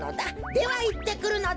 ではいってくるのだ。